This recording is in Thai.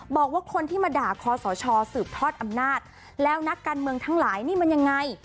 บอกว่าคนที่มาด่าคอสชสืบทอดอำนาจแล้วนักการเมืองทั้งหลายนี่มันยังไง